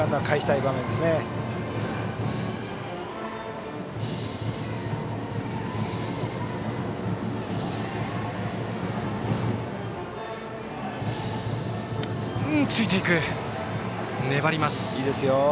いいですよ。